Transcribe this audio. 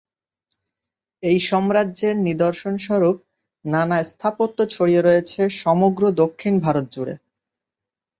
এই সাম্রাজ্যের নিদর্শন স্বরূপ নানা স্থাপত্য ছড়িয়ে রয়েছে সমগ্র দক্ষিণ ভারত জুড়ে।